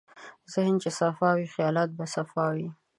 ذهن چې صفا وي، خیالات به صفا وي.